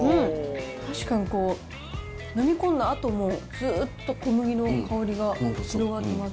確かに、飲み込んだあともずーっと小麦の香りが広がってます